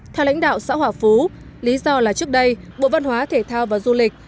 theo lãnh đạo xã hòa phú lý do là trước đây bộ văn hóa thể thao và du lịch